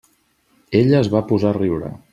Ella es va posar a riure.